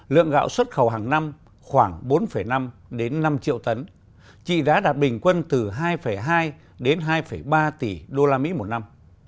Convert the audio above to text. lượng gạo xuất khẩu hàng năm khoảng bốn năm đến năm triệu tấn trị giá đạt bình quân từ hai hai đến hai ba tỷ usd một năm